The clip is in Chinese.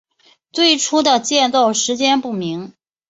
最初的建造时间不明。